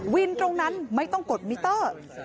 วินตรงนั้นไม่ต้องกดมิเตอร์